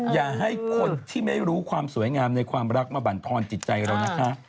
อย่าให้คนที่ไม่รู้ความสวยงามในความรักมาบรรทอนจิตใจเรานะคะ